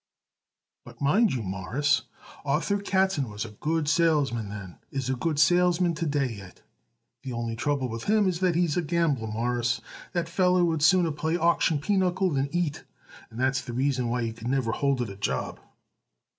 "But mind you, Mawruss, Arthur Katzen was a good salesman then and is a good salesman to day yet. The only trouble with him is that he's a gambler, Mawruss. That feller would sooner play auction pinochle than eat, and that's the reason why he could never hold it a job."